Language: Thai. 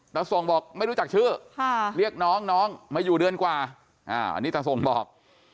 ส่งบอกไม่รู้จักชื่อเรียกน้องน้องมาอยู่เดือนกว่าอันนี้ตาส่งบอก